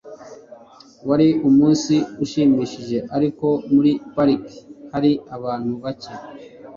wari umunsi ushimishije, ariko muri parike hari abantu bake